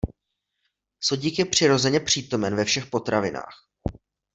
Sodík je přirozeně přítomen ve všech potravinách.